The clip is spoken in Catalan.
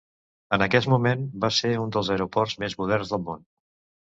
En aquest moment, va ser un dels aeroports més moderns del món.